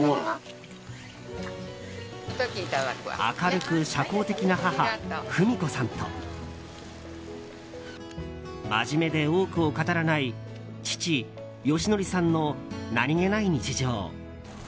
明るく社交的な母・文子さんと真面目で多くを語らない父・良則さんの何気ない日常。